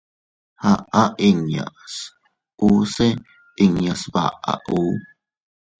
Aʼa inñas usse inña sbaʼa ù.